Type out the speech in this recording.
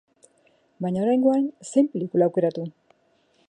Baina oraingoan zein pelikula aukeratu?